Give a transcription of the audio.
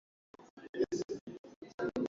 Kaka yako anaitwa nani?